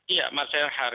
iya pak senhar